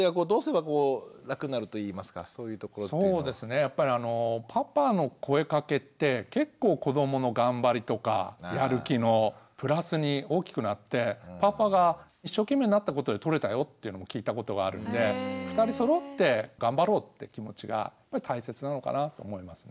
やっぱりあのパパの声かけって結構子どもの頑張りとかやる気のプラスに大きくなってパパが一生懸命になったことでとれたよっていうのも聞いたことがあるんで２人そろって頑張ろうって気持ちが大切なのかなと思いますね。